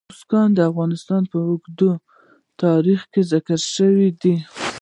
بزګان د افغانستان په اوږده تاریخ کې ذکر شوی دی.